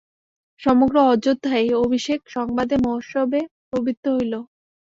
সমগ্র অযোধ্যা এই অভিষেক-সংবাদে মহোৎসবে প্রবৃত্ত হইল।